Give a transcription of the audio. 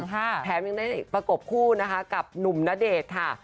แถมยังได้ประกบคู่นะคะกับหนุ่มณเดชน์ค่ะ